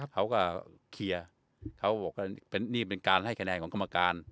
เขาก็เคลียร์เขาบอกว่านี่เป็นการให้คะแนนของกรรมการ